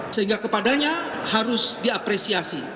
sehingga kepadanya harus diapresiasi